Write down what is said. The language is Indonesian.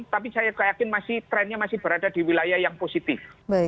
tapi saya yakin masih trennya masih berada di wilayah yang positif